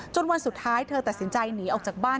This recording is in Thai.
วันสุดท้ายเธอตัดสินใจหนีออกจากบ้าน